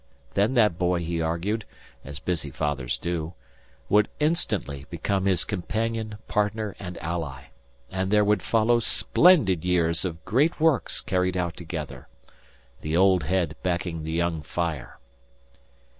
Then that boy, he argued, as busy fathers do, would instantly become his companion, partner, and ally, and there would follow splendid years of great works carried out together the old head backing the young fire.